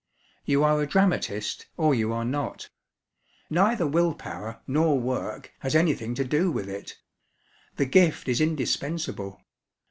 You are a dramatist, or you are not; neither will power nor work has anything to do with it. The gift is indispensable.